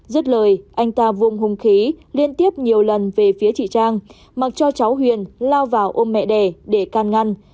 giết lời anh ta vung hùng khí liên tiếp nhiều lần về phía chị trang mặc cho cháu huyền lao vào ôm mẹ đẻ để can ngăn